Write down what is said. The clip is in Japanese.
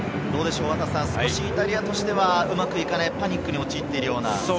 少しイタリアとしては、うまくいかない、パニックに陥っているよ